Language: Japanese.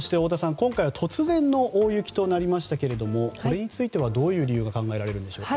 今回は突然の大雪となりましたけれどもこれについてはどういう理由が考えられるでしょうか。